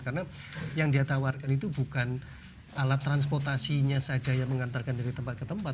karena yang dia tawarkan itu bukan alat transportasinya saja yang mengantarkan dari tempat ke tempat